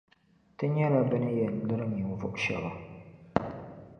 Ti nyɛla bɛ ni yɛn liri ninvuɣu shεba.